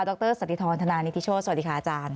รสันติธรธนานิทิโชธสวัสดีค่ะอาจารย์